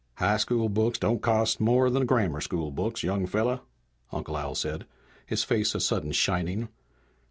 "High school books don't cost no more than grammar school books, young fella," Uncle Al said, his face a sudden shining.